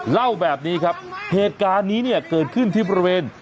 เล่าแบบนี้ครับเหตุการณ์นี้เนี่ยเกิดขึ้นที่บริเวณ